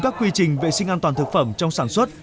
các quy trình vệ sinh an toàn thực phẩm trong sản xuất